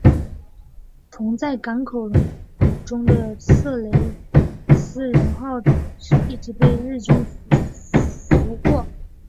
同在港口中的色雷斯人号驱逐舰与蛾号一起被日军俘获。